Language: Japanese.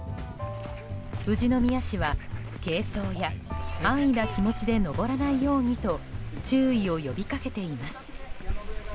富士宮市は、軽装や安易な気持ちで登らないようにと注意を呼び掛けています。